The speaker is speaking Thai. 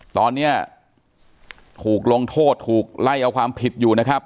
ตอนนี้ถูกลงโทษถูกไล่เอาความผิดอยู่นะครับ